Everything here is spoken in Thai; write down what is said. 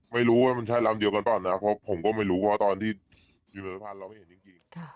ไม่รู้ว่ามันใช่ลำเดียวกันเปล่านะเพราะผมก็ไม่รู้ว่าตอนที่ขี่รถผ่านเราไม่เห็นจริง